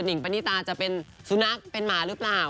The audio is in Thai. งปณิตาจะเป็นสุนัขเป็นหมาหรือเปล่า